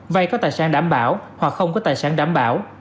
vay có tài sản đảm bảo hoặc không có tài sản đảm bảo